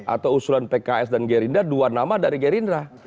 atau usulan pks dan gerindra dua nama dari gerindra